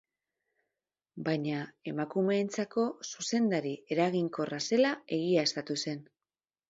Baina emakumeentzako zuzendari eraginkorra zela egiaztatu zen.